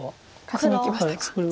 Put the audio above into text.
勝ちにいきましたか。